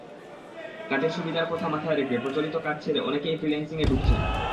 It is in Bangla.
কাজের সুবিধার কথা মাথায় রেখে প্রচলিত কাজ ছেড়ে অনেকেই ফ্রিল্যান্সিংয়ে ঢুকছেন।